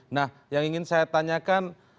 nah yang ingin saya tanyakan